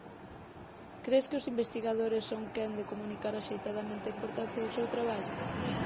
Cres que os investigadores son quen de comunicar axeitadamente a importancia do seu traballo?